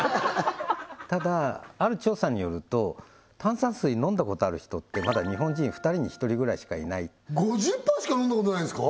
ただある調査によると炭酸水飲んだことある人ってまだ日本人２人に１人ぐらいしかいない５０パーしか飲んだことないんですか？